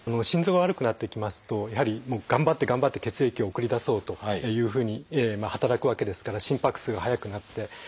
心臓が悪くなっていきますとやはり頑張って頑張って血液を送り出そうというふうに働くわけですから心拍数が速くなって。